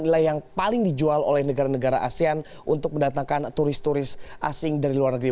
nilai yang paling dijual oleh negara negara asean untuk mendatangkan turis turis asing dari luar negeri